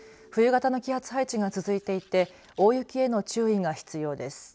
冬型の気圧配置が続いていて大雪への注意が必要です。